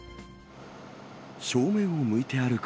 正面を向いて歩く